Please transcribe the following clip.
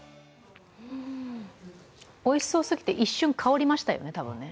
おいしそうすぎて一瞬香りましたよね、多分ね。